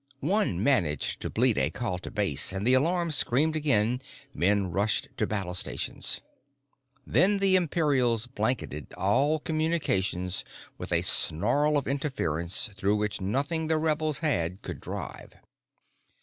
One managed to bleat a call to base and the alarm screamed again, men rushed to battle stations. Then the Imperials blanketed all communications with a snarl of interference through which nothing the rebels had could drive.